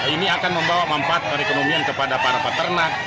ini akan membawa mempat ekonomi kepada para peternak